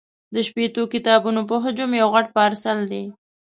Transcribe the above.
د شپېتو کتابونو په حجم یو غټ پارسل دی.